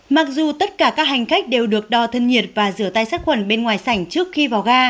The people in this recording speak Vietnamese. mặc dù tất cả các hành khách đều được đo thân nhiệt và rửa tay sát khuẩn bên ngoài sảnh trước khi vào ga